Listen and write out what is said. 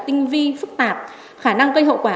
tinh vi phức tạp khả năng cây hậu quả